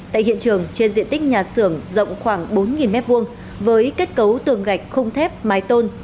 tại hiện trường trên diện tích nhà xưởng rộng khoảng bốn m hai với kết cấu tường gạch khung thép mái tôn